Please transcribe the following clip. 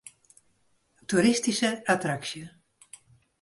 Toeristyske attraksje.